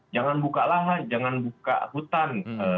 jangan buka lahan jangan buka hutan